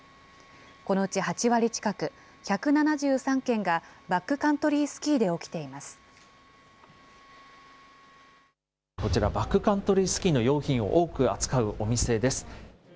このうち８割近く、１７３件がバックカントリースキーで起きていこちら、バックカントリースキーの用品を多く扱うお店です。